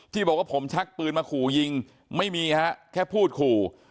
ที่บอกว่าผมชักปืนมาขู่ยิงไม่มีฮะแค่พูดขู่